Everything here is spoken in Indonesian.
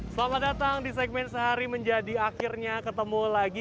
selamat datang di segmen sehari menjadi akhirnya ketemu lagi